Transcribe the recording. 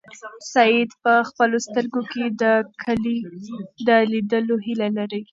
سعید په خپلو سترګو کې د کلي د لیدلو هیله لري.